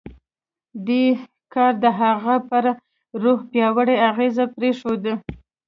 دې کار د هغه پر روح پیاوړی اغېز پرېښود